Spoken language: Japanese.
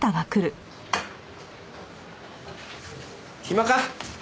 暇か？